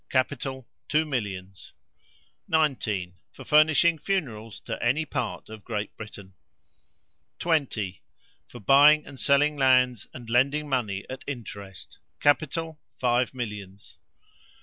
Capital, two millions. 19. For furnishing funerals to any part of Great Britain. 20. For buying and selling lands and lending money at interest. Capital, five millions.